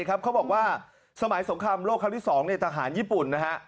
เขาบอกว่าสมัยสงครามโลกครั้งที่๒ทหารญี่ปุ่นนะฮะ